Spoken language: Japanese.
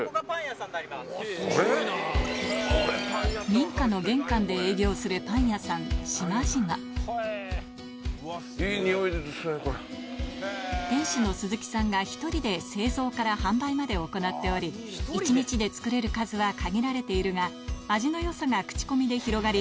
民家の玄関で営業するパン屋さん店主のスズキさんが１人で製造から販売まで行っており１日で作れる数は限られているが味の良さが口コミで広がり